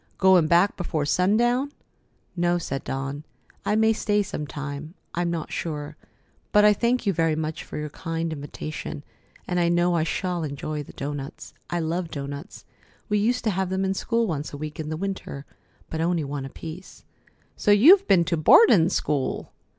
Goin' back before sundown?" "No," said Dawn; "I may stay some time. I'm not sure. But I thank you very much for your kind invitation, and I know I shall enjoy the doughnuts. I love doughnuts. We used to have them in school once a week in the winter, but only one apiece." "So you've been to boardin' school!"